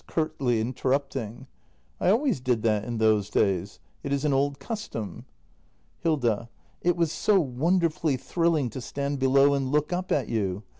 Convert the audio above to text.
[Curtly interrupting.] I always did that in those days. It is an old custom. Hilda. It was so wonderfully thrilling to stand below and look up at you.